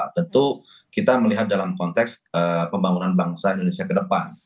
tentu kita melihat dalam konteks pembangunan bangsa indonesia ke depan